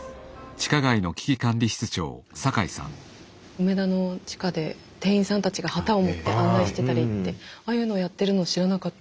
梅田の地下で店員さんたちが旗を持って案内してたりってああいうのをやってるの知らなかったです。